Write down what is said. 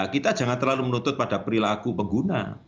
kita jangan terlalu menuntut pada perilaku pengguna